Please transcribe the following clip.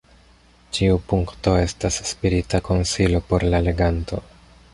Ĉiu punkto estas spirita konsilo por la leganto.